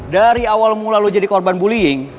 dari awal mula lalu jadi korban bullying